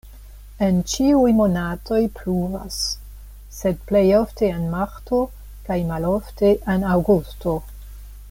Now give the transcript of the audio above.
En ĉiuj monatoj pluvas, sed plej ofte en marto, plej malofte en aŭgusto.